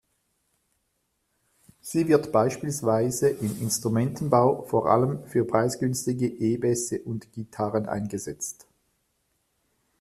Sie wird beispielsweise im Instrumentenbau vor allem für preisgünstige E-Bässe und -Gitarren eingesetzt.